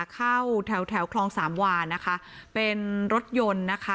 เข้าแถวแถวคลองสามวานะคะเป็นรถยนต์นะคะ